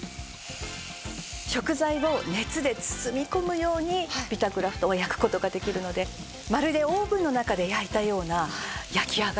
食材を熱で包み込むようにビタクラフトは焼く事ができるのでまるでオーブンの中で焼いたような焼き上がりにできるんです。